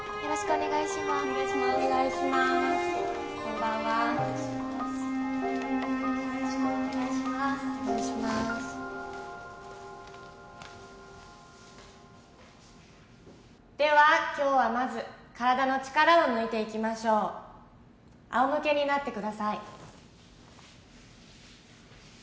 お願いしますでは今日はまず体の力を抜いていきましょうあおむけになってください